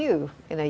orang seperti anda